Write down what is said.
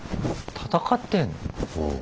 戦ってんの？